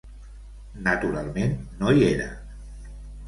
Naturalment no hi era.